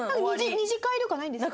２次会とかないんですか？